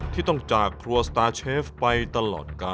ที่ต้องจากครัวสตาร์เชฟไปตลอดกาล